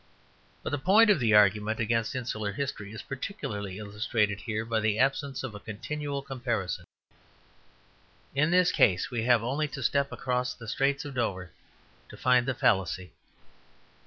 But the point of the argument against insular history is particularly illustrated here by the absence of a continental comparison. In this case we have only to step across the Straits of Dover to find the fallacy.